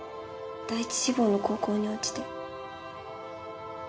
第一志望の高校に落ちて。